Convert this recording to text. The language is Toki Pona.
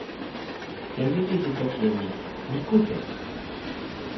jan lili li toki e ni: "mi kute".